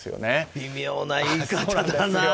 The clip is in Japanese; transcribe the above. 微妙な言い方だな。